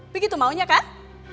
begitu maunya kan